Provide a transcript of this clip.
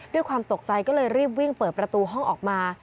ด้วยความตกใจก็เลยรีบวิ่งเปิดประตูห้องออกมา